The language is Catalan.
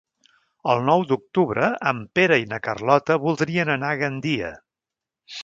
El nou d'octubre en Pere i na Carlota voldrien anar a Gandia.